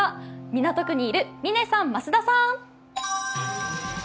港区にいる嶺さん、増田さん。